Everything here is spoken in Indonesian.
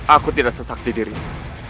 aku tidak sesakti dirimu